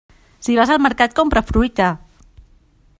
Si vas al mercat, compra fruita.